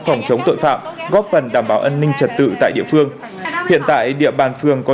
phòng chống tội phạm góp phần đảm bảo an ninh trật tự tại địa phương hiện tại địa bàn phường có